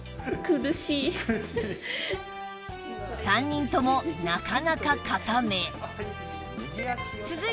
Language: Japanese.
３人ともなかなか硬め